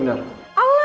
itu nggak benar